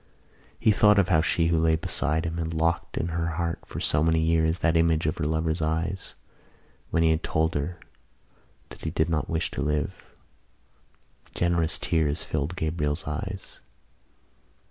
He thought of how she who lay beside him had locked in her heart for so many years that image of her lover's eyes when he had told her that he did not wish to live. Generous tears filled Gabriel's eyes.